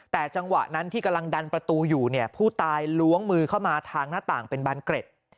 แต่จังหวะนั้นที่กำลังดันประตูอยู่เนี่ยผู้ตายล้วงมือเข้ามาทางหน้าต่างเป็นบานเกร็ด